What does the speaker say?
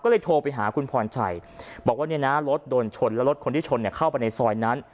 ก็เลยโทรไปหาคุณพรชัยบอกว่าเนี่ยนะรถโดนชนแล้วรถคนที่ชนเข้าไปในซอยนั้น